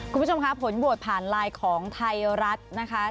คุณผู้ชมค่ะผลโหวตผ่านไลน์ของไทยรัฐนะคะ